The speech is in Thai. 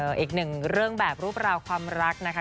อีกหนึ่งเรื่องแบบรูปราวความรักนะคะ